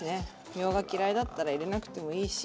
みょうが嫌いだったら入れなくてもいいし。